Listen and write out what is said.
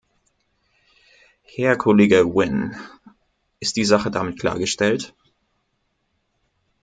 Herr Kollege Wynn, ist die Sache damit klargestellt?